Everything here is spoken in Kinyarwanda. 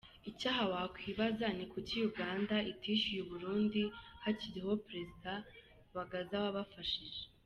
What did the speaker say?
Icyo aha wakwibaza ni kuki Uganda itishyuye u Burundi hakiriho President Bagaza wabafashije?